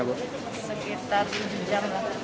sekitar tujuh jam